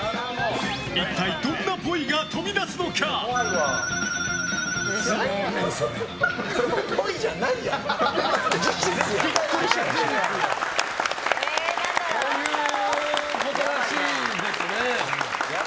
一体、どんなっぽいが飛び出すのか？ということらしいですね。